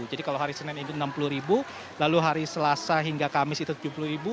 jadi kalau hari senin itu rp enam puluh lalu hari selasa hingga kamis itu rp tujuh puluh